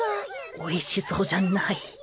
おいしそうじゃない。